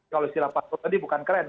kalau silap batu tadi bukan keren